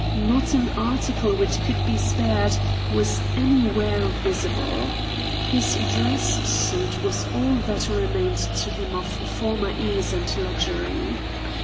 Not an article which could be spared was anywhere visible. His dress suit was all that remained to him of former ease and luxury.